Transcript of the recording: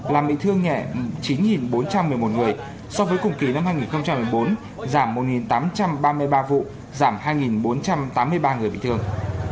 làm bị thương nhẹ chín bốn trăm một mươi một người so với cùng kỳ năm hai nghìn một mươi bốn giảm một tám trăm ba mươi ba vụ giảm hai bốn trăm tám mươi ba người bị thương